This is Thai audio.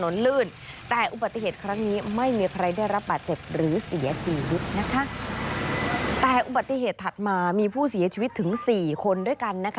แต่อุบัติเหตุครั้งนี้ไม่มีใครได้รับบาดเจ็บหรือเสียชีวิตนะคะแต่อุบัติเหตุถัดมามีผู้เสียชีวิตถึงสี่คนด้วยกันนะคะ